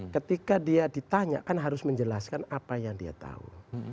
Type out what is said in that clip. ketika dia ditanya kan harus menjelaskan apa yang dia tahu